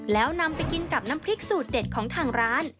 แล้วนำไปกินกับน้ำพริกสูตรเด็ดของทางร้าน